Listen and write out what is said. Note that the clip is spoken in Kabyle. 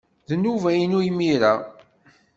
D nnuba-inu imir-a.